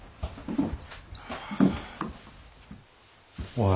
おい。